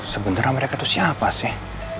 sebenernya mereka tuh siapa sih